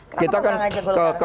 kenapa tidak mengajak golkar